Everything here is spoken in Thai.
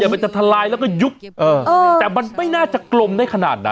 มันจะทลายแล้วก็ยุบแต่มันไม่น่าจะกลมได้ขนาดนั้น